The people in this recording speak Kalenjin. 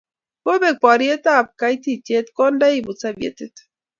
kobek poriet ab kaititiet konda iput sovietit